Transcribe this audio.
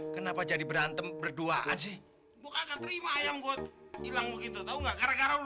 kenapa jadi berantem berduaan sih